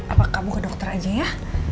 apa kamu ke dokter aja ya